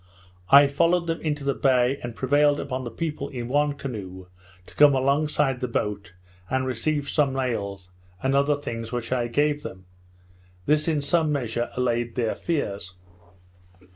I followed them into the bay, and prevailed upon the people in one canoe to come alongside the boat, and receive some nails, and other things, which I gave them; this in some measure allayed their fears.